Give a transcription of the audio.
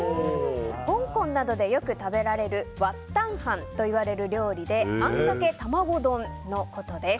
香港などでよく食べられるワッタンハンという料理であんかけ卵丼のことです。